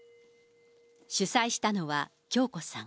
主催したのは響子さん。